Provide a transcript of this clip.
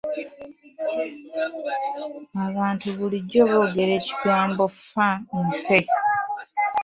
Abantu bulijjo boogera ekigambo fa nfe.